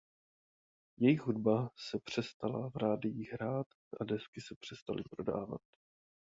Jejich hudba se přestala v rádiích hrát a desky se přestaly prodávat.